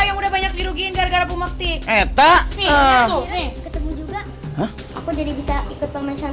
yang udah banyak dirugiin gara gara bumukti etah nih ketemu juga aku jadi bisa ikut pembentasan